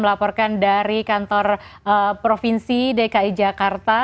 melaporkan dari kantor provinsi dki jakarta